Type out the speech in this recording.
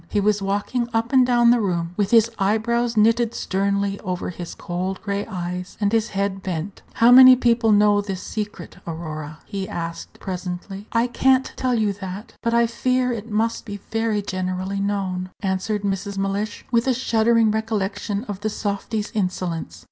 He was walking up and down the room, with his eyebrows knitted sternly over his cold gray eyes, and his head bent. "How many people know this secret, Aurora?" he asked, presently. "I can't tell you that; but I fear it must be very generally known," answered Mrs. Mellish, with a shuddering recollection of the softy's insolence.